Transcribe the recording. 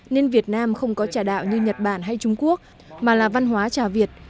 nên việt nam không có trà đạo như nhật bản hay trung quốc mà là văn hóa trà việt